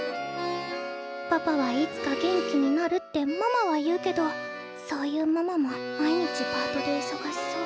パパはいつか元気になるってママは言うけどそういうママも毎日パートでいそがしそう。